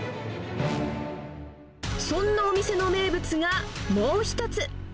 そんなお店の名物がもう一つ。